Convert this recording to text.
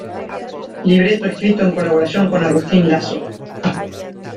Libreto escrito en colaboración con Agustín Lazo.